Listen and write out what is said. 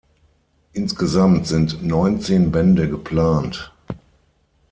Insgesamt sind neunzehn Bände geplant.